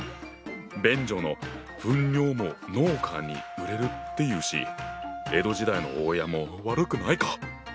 便所の糞尿も農家に売れるっていうし江戸時代の大家も悪くないか！